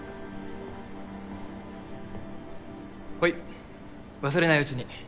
ほい忘れないうちに。